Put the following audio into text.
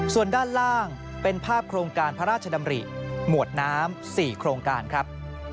ส่วนด้านล่างเป็นภาพโครงการพระราชดำริหมวดน้ำ๔โครงการครับ